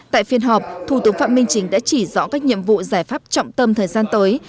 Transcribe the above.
tại phiên họp thủ tướng phạm minh chính đã chỉ rõ các nhiệm vụ giải pháp trọng tâm thời gian tới